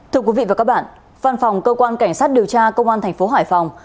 thưa quý vị và các bạn phan phòng cơ quan cảnh sát điều tra công an tp hải phòng